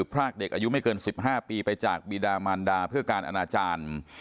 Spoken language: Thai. พรากเด็กอายุไม่เกิน๑๕ปีไปจากบีดามันดาเพื่อการอนาจารย์